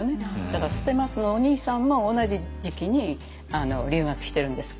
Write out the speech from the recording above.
だから捨松のお兄さんも同じ時期に留学してるんです。